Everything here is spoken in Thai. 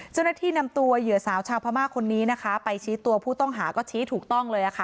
เจ้าหน้าที่นำตัวเหยื่อสาวชาวพม่าคนนี้นะคะไปชี้ตัวผู้ต้องหาก็ชี้ถูกต้องเลยค่ะ